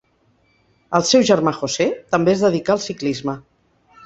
El seu germà José, també es dedicà al ciclisme.